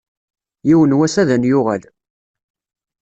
Yiwen n wass ad n-yuɣal.